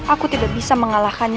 aku tidak bisa mengalahkannya